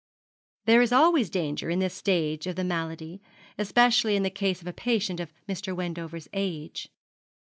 'There is always danger in this stage of the malady, especially in the case of a patient of Mr. Wendover's age.